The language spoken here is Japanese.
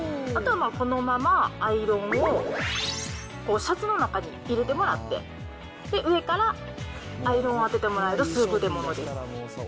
あとはこのままアイロンをシャツの中に入れてもらって、で、上からアイロンを当ててもらえる、優れものです。